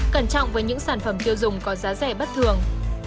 cẩn trọng với những sản phẩm tiêu dùng có giá rẻ bất thường